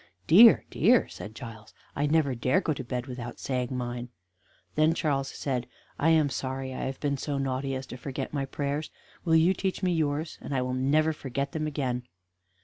"Dear, dear!" said Giles, "I never dare go to bed without saying mine." Then Charles said: "I am sorry I have been so naughty as to forget my prayers; will you teach me yours, and I will never forget them again?"